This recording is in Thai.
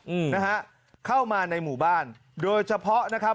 อืมนะฮะเข้ามาในหมู่บ้านโดยเฉพาะนะครับ